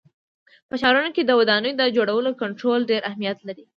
په ښارونو کې د ودانیو د جوړولو کنټرول ډېر اهمیت لري.